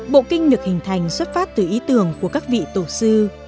bộ kinh được hình thành xuất phát từ ý tưởng của các vị tổ sư